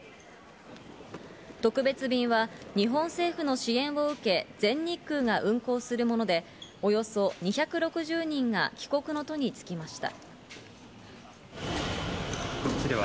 特別便は日本政府の支援を受け、全日空が運航するもので、およそ２６０人が帰国の途につきました。